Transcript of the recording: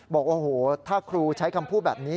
บอกว่าโอ้โหถ้าครูใช้คำพูดแบบนี้